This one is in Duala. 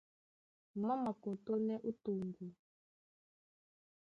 Má makɔtɔ́nɛ́ ó toŋgo.